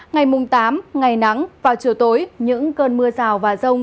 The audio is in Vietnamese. ngày mùng tám ngày nắng vào chiều tối những cơn mưa rào và rông